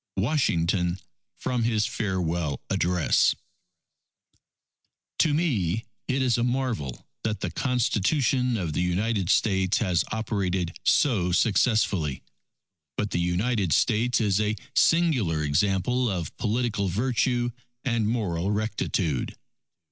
_ WASHINGTON, from his Farewell Address To me it is a marvel that the Constitution of the United States has operated so successfully.... But the United States is a singular example of political virtue and moral rectitude.